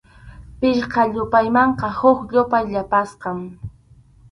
Pichqa yupaymanqa huk yupay yapasqam.